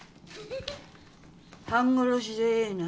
半殺しでええな。